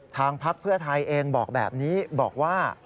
พักเพื่อไทยเองบอกแบบนี้บอกว่า